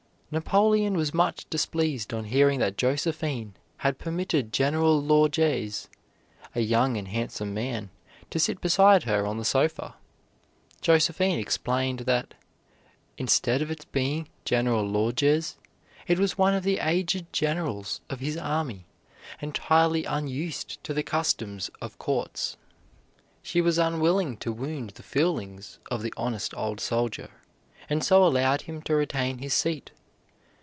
Napoleon was much displeased on hearing that Josephine had permitted General Lorges, a young and handsome man, to sit beside her on the sofa. Josephine explained that, instead of its being General Lorges, it was one of the aged generals of his army, entirely unused to the customs of courts. She was unwilling to wound the feelings of the honest old soldier, and so allowed him to retain his seat.